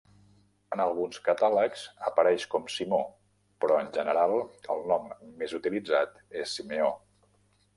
En alguns catàlegs apareix com Simó, però en general el nom més utilitzat es Simeó.